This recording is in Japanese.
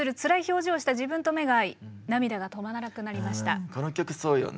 うんこの曲そうよね。